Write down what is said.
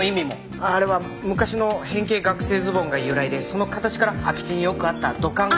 あれは昔の変形学生ズボンが由来でその形から空き地によくあった土管が。